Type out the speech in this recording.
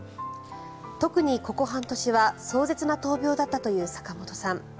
特にここ半年は壮絶な闘病だったという坂本さん。